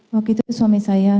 waktu itu suami saya